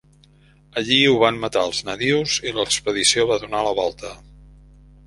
Allí ho van matar els nadius i l'expedició va donar la volta.